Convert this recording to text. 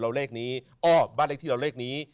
เราเลขนี้อ๋อบัตรเลขที่เราเลขนี้